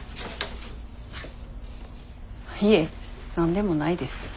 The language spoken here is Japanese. いえ何でもないです。